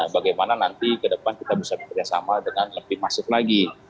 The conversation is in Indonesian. bagaimana nanti ke depan kita bisa bekerjasama dengan lebih masif lagi